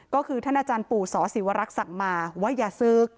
ก็คือท่านอาจารย์ปู่ศศิวรักษ์ศักดิ์มาว่าอย่าศึก